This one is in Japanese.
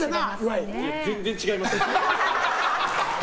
全然違います。